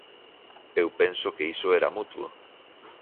Eu penso que iso era mutuo.